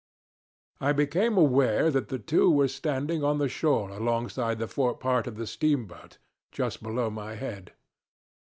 ... I became aware that the two were standing on the shore alongside the forepart of the steamboat, just below my head.